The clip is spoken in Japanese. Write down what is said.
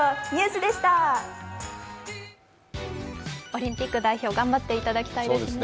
オリンピック代表、頑張っていただきたいですね。